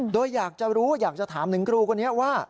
โดยอยากจะรู้อยากจะถามถึงครูคนนี้ว่า